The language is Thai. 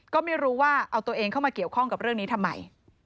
ก็ไม่รู้ว่าเอาตัวเองเข้ามาเกี่ยวข้องกับเรื่องนี้ทำไม